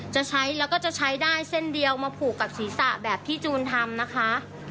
จะใช้แล้วก็จะใช้ได้เส้นเดียวมาผูกกับศีรษะแบบที่จูนทำนะคะ